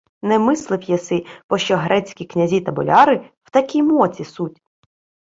— Не мислив єси, пощо грецькі князі та боляри в такій моці суть?